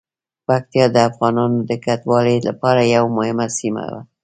پکتیا د افغانانو د کډوالۍ لپاره یوه مهمه سیمه ده.